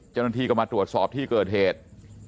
เจ้าหน้าที่ก็มาตรวจสอบที่เกิดเหตุ